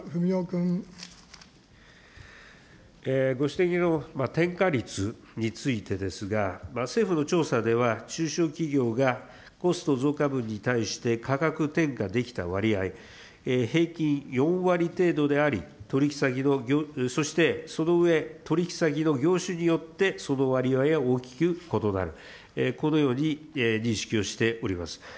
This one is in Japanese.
ご指摘の転嫁率についてですが、政府の調査では中小企業がコスト増加分に対して価格転嫁できた割合、平均４割程度であり、取り引き先の、そしてその上、取り引き先の業種によってその割合は大きく異なる、このように認識をしております。